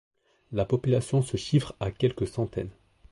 La population se chiffre à quelques centaines.